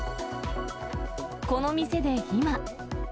この店で今。